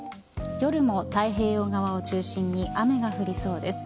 夜も太平洋側を中心に雨が降りそうです。